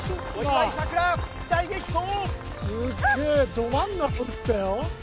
ど真ん中打ったよ。